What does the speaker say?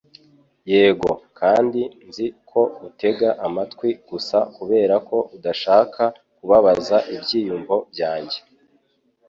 Yego kandi nzi ko utega amatwi gusa 'kuberako udashaka kubabaza ibyiyumvo byanjye